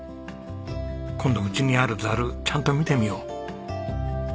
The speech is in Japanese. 今度うちにあるざるちゃんと見てみよう。